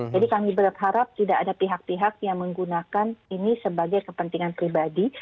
jadi kami berharap tidak ada pihak pihak yang menggunakan ini sebagai kepentingan pribadi